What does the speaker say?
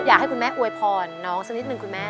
อยากให้คุณแม่อวยพรน้องสักนิดนึงคุณแม่